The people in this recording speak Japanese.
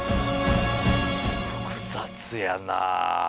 複雑やなぁ。